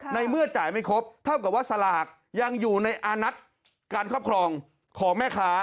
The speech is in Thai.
ในเมื่อจ่ายไม่ครบเท่ากับว่าสลากยังอยู่ในอานัทการครอบครองของแม่ค้า